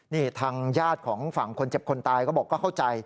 นี่ทางญาติของฝั่งคนเจ็บคนตายก็บอกก็เข้าใจ